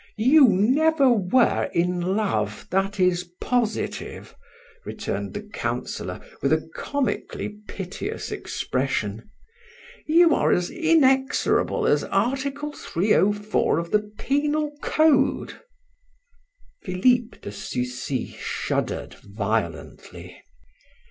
"You never were in love, that is positive," returned the Councillor, with a comically piteous expression. "You are as inexorable as Article 304 of the Penal Code!" Philip de Sucy shuddered violently.